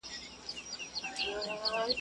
په وږې خېټه غومبر نه کېږي.